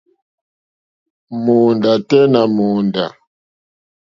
Mòóndá tɛ́ nà mòóndá.